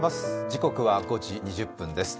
時刻は５時２０分です。